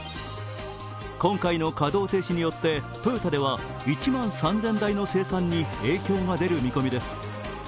今回の稼働停止によってトヨタでは１万３０００台の生産に影響が出る見込みです。